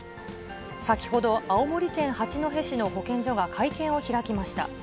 先ほど、青森県八戸市の保健所が会見を開きました。